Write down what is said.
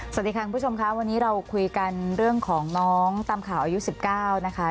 สวัสดีค่ะคุณผู้ชมค่ะวันนี้เราคุยกันเรื่องของน้องตามข่าวอายุ๑๙นะคะ